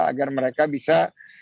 agar mereka bisa